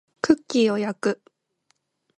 クッキーを焼く